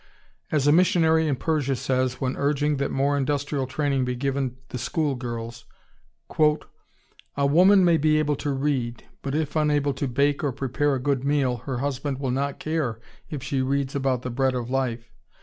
As a missionary in Persia says when urging that more industrial training be given the school girls, "A woman may be able to read, but, if unable to bake or prepare a good meal, her husband will not care if she reads about the Bread of Life.